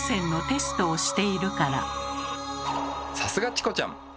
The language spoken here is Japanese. さすがチコちゃん。